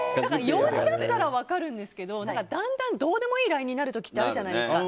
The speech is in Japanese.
用事だったら分かるんですけどだんだん、どうでもいいＬＩＮＥになる時ってあるじゃないですか。